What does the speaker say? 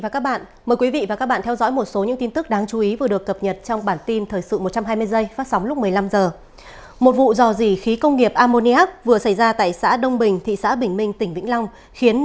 các bạn hãy đăng ký kênh để ủng hộ kênh của chúng mình nhé